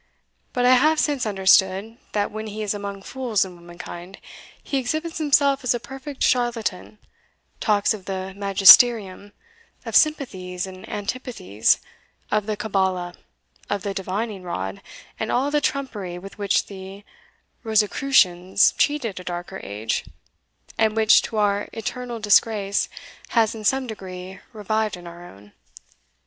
But I have since understood, that when he is among fools and womankind, he exhibits himself as a perfect charlatan talks of the magisterium of sympathies and antipathies of the cabala of the divining rod and all the trumpery with which the Rosicrucians cheated a darker age, and which, to our eternal disgrace, has in some degree revived in our own.